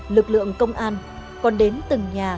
lực lượng công an còn đến từng nhà